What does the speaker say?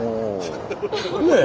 ねえ？